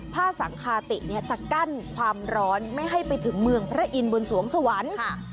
สังคาติจะกั้นความร้อนไม่ให้ไปถึงเมืองพระอินทร์บนสวงสวรรค์